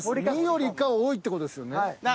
２よりか多いって事ですよね。